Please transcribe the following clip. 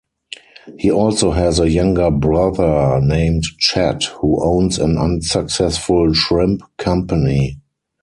He also has a younger brother named Chet, who owns an unsuccessful shrimp company.